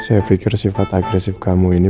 saya pikir sifat agresif kamu ini